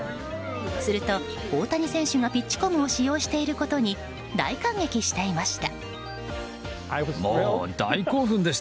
すると、大谷選手がピッチコムを使用していることに大感激していました。